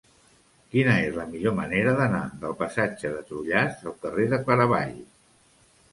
Quina és la millor manera d'anar del passatge de Trullàs al carrer de Claravall?